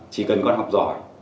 chỉ cần con học giỏi